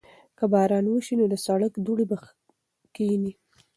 که باران وشي نو د سړک دوړې به کښېني.